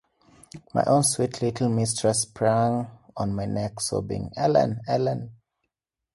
My own sweet little mistress sprang on my neck sobbing, ‘Ellen, Ellen!